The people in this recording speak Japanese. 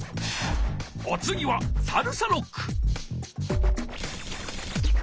おつぎはサルサロック。